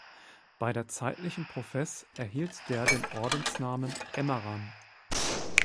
Bei der zeitlichen Profess erhielt der den Ordensnamen Emmeram.